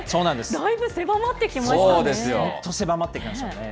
だいぶ狭まってきましたね。